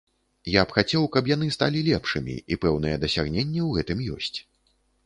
Я б хацеў, каб яны сталі лепшымі, і пэўныя дасягненні ў гэтым ёсць.